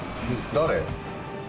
誰？